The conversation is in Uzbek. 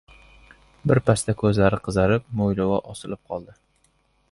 Birpasda ko‘zlari qizarib, mo‘ylovi osilib qoldi.